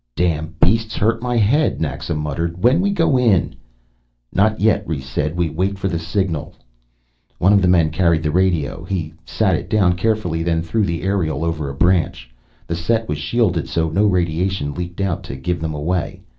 "Dam' beasts hurt m'head," Naxa muttered. "When we go in?" "Not yet," Rhes said. "We wait for the signal." One of the men carried the radio. He sat it down carefully, then threw the aerial over a branch. The set was shielded so no radiation leaked out to give them away.